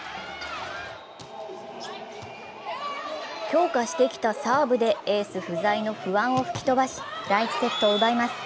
強化してきたサーブでエース不在の不安を吹き飛ばし第１セットを奪います。